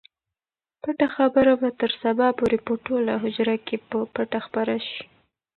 پټه خبره به تر سبا پورې په ټوله حجره کې په پټه خپره شي.